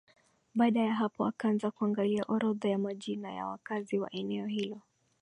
Baada ya hapo akaanza kuangalia orodha ya majina ya wakazi wa eneo hilo